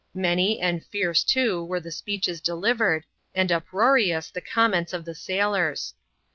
Many, and fierce too, were the speeches delivered, and uproarious the comments of the sailors.